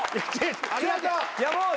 ありがとう！